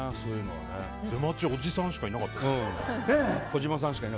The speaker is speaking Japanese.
出待ちおじさんしかいなかったです。